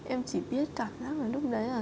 em chỉ biết cảm giác là lúc đấy